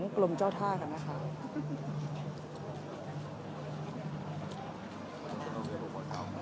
สวัสดีครับ